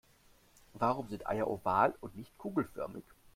Warum sind Eier oval und nicht kugelförmig?